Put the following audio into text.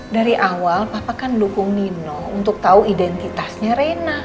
dari awal papa kan dukung nino untuk tahu identitasnya reina